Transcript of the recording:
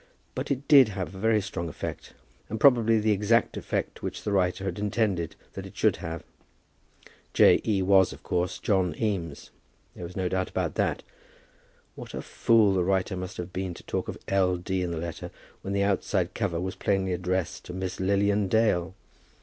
But it did have a very strong effect, and probably the exact effect which the writer had intended that it should have. J. E. was, of course, John Eames. There was no doubt about that. What a fool the writer must have been to talk of L. D. in the letter, when the outside cover was plainly addressed to Miss Lilian Dale!